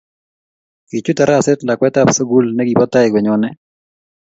Kichuut taraset lakwetab sugul negibo tai konyone